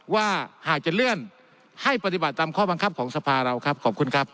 ว่าหากจะเลื่อนให้ปฏิบัติตามข้อบังคับของสภาเราครับขอบคุณครับ